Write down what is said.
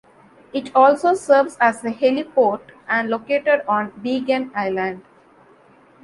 It also serves as a heliport and located on Beigan Island.